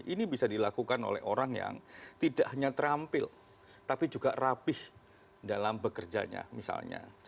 ini bisa dilakukan oleh orang yang tidak hanya terampil tapi juga rapih dalam bekerjanya misalnya